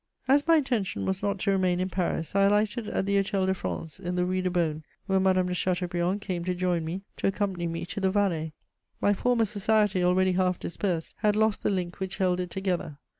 As my intention was not to remain in Paris, I alighted at the Hôtel de France, in the Rue de Beaune, where Madame de Chateaubriand came to join me to accompany me to the Valais. My former society, already half dispersed, had lost the link which held it together.